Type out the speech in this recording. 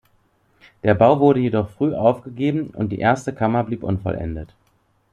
Der Bau wurde jedoch früh aufgegeben und die erste Kammer blieb unvollendet.